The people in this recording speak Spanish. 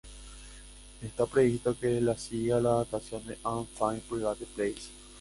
Está previsto que la siga la adaptación de "A Fine and Private Place".